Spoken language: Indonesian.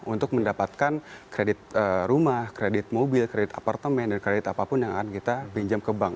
untuk mendapatkan kredit rumah kredit mobil kredit apartemen dan kredit apapun yang akan kita pinjam ke bank